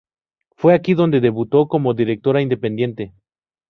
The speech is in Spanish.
Fue aquí donde debutó como directora independiente.